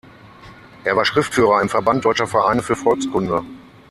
Er war Schriftführer im Verband Deutscher Vereine für Volkskunde.